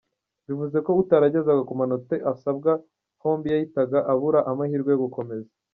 Bivuze ko utaragezaga ku manota asabwa hombi yahitaga abura amahirwe yo gukomeza.